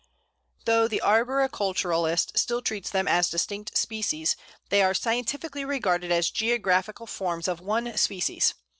Though the arboriculturist still treats them as distinct species, they are scientifically regarded as geographical forms of one species.